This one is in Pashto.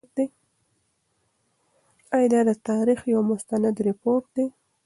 آیا دا د تاریخ یو مستند رپوټ دی؟